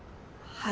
はい！